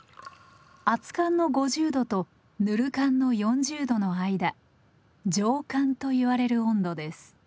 熱燗の５０度とぬる燗の４０度の間上燗と言われる温度です。